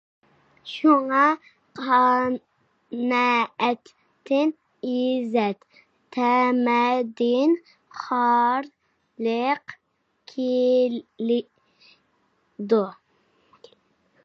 شۇڭا قانائەتتىن ئىززەت، تەمەدىن خارلىق كېلىدۇ.